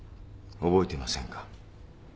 覚えてませんか？